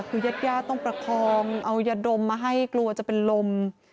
คือญาติญาติต้องประคองเอายาดมมาให้กลัวจะเป็นลม